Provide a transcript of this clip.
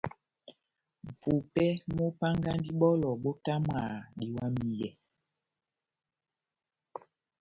Mʼpupɛ múpángandi bɔlɔ bótamwaha diwamiyɛ.